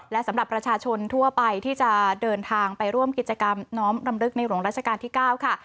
และสำหรับประชาชนทั่วไปที่จะเดินทางไปร่วมกิจกรรมน้อมรำลึกในหลวงราชการที่๙ค่ะ